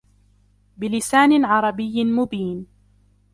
بلسان عربي مبين